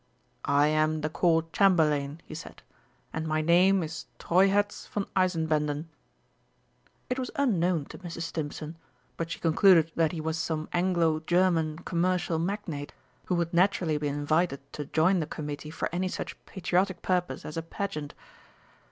"I am the Court Chamberlain," he said, "and my name is Treuherz von Eisenbänden." It was unknown to Mrs. Stimpson, but she concluded that he was some Anglo German commercial magnate, who would naturally be invited to join the Committee for any such patriotic purpose as a Pageant.